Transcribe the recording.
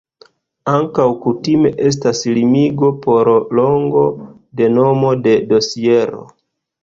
Ankaŭ kutime estas limigo por longo de nomo de dosiero.